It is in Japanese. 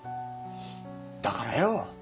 だからよ。